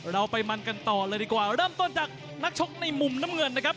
เราไปมันกันต่อเลยดีกว่าเริ่มต้นจากนักชกในมุมน้ำเงินนะครับ